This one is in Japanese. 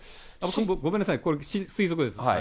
ごめんなさい、これ、推測ですよ。